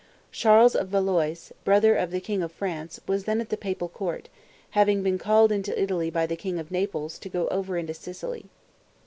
Charles of Valois, brother of the king of France, was then at the papal court, having been called into Italy by the king of Naples, to go over into Sicily.